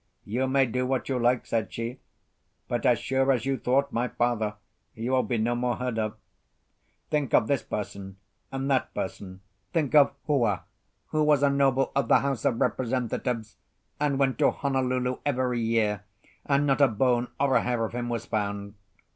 "You may do what you like," said she; "but as sure as you thwart my father, you will be no more heard of. Think of this person, and that person; think of Hua, who was a noble of the House of Representatives, and went to Honolulu every year; and not a bone or a hair of him was found.